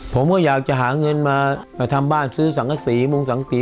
ผมก็อยากจะหาเงินมาทำบ้านซื้อสังกษีมงสังสี